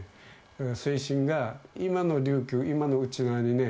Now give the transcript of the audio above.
精神が今の琉球今のウチナーにね